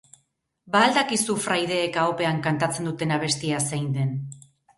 Ba al dakizu fraideek ahopean kantatzen duten abestia zein den?